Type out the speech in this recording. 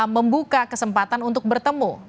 membuka kesempatan untuk bertemu